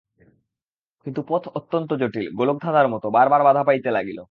কিন্তু পথ অত্যন্ত জটিল, গোলকধাঁধার মতো, বারবার বাধা পাইতে লাগিল।